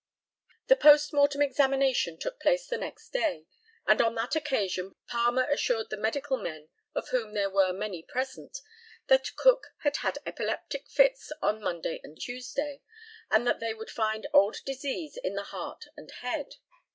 The post mortem examination took place the next day, and on that occasion Palmer assured the medical men, of whom there were many present, that Cook had had epileptic fits on Monday and Tuesday, and that they would find old disease in the heart and head.